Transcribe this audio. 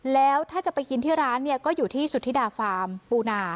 แล้วถ้าจะไปกินที่ร้านเนี่ยก็อยู่ที่สุธิดาฟาร์มปูนา